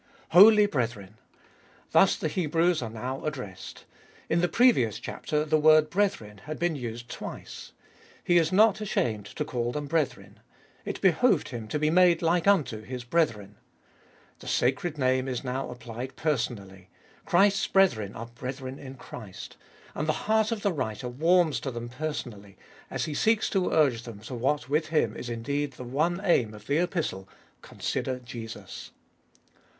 Holy brethren ! Thus the Hebrews are now addressed. In the previous chapter the word brethren had been used twice. He is not ashamed to call them brethren. It behoved Him to be made like unto His brethren. The sacred name is now applied personally : Christ's brethren are brethren in Christ. And the heart of the writer warms to them personally, as he seeks to urge them to what with him is indeed the one aim of the Epistle — Consider Jesus.